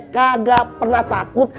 kagak pernah takut